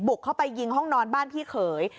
เข้าไปยิงห้องนอนบ้านพี่เขย